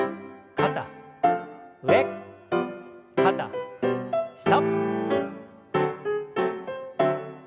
肩上肩下。